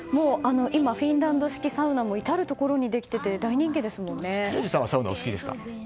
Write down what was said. フィンランド式サウナも至るところにできてて宮司さんはサウナ好きですか？